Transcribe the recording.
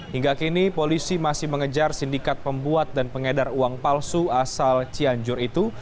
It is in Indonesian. hingga kini polisi masih mengejar sindikat pembuat dan pengedar uang palsu asal cianjur itu